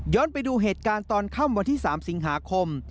ไปดูเหตุการณ์ตอนค่ำวันที่๓สิงหาคม